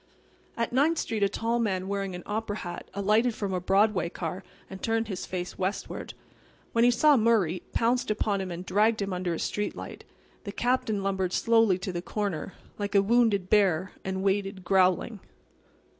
At Ninth street a tall man wearing an opera hat alighted from a Broadway car and turned his face westward. But he saw Murray, pounced upon him and dragged him under a street light. The Captain lumbered slowly to the corner, like a wounded bear, and waited, growling.